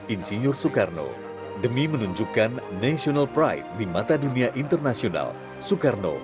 insinyur soekarno demi menunjukkan national pride di mata dunia internasional soekarno